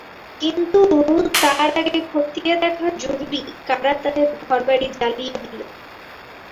কিন্তু তার আগে খতিয়ে দেখা জরুরি, কারা তাদের ঘরবাড়ি জ্বালিয়ে দিল।